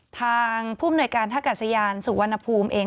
ทางผู้มนวยการท่ากาศยานสุวรรณภูมิเอง